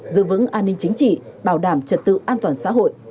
giữ vững an ninh chính trị bảo đảm trật tự an toàn xã hội